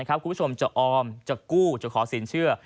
คุณผู้ชมจะออมจะกู้จะขอสินเชื่อ